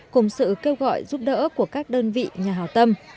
cùng sự kêu gọi giúp đỡ của các đơn vị nhà hào tâm